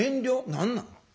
何なん？